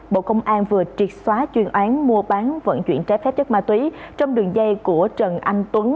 bộ công an vừa triệt xóa chuyên án mua bán vận chuyển trái phép chất ma túy trong đường dây của trần anh tuấn